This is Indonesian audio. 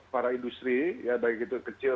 para industri ya baik itu kecil